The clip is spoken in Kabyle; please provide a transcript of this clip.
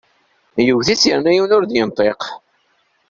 Iwet-itt yerna yiwen ur d-yenṭiq!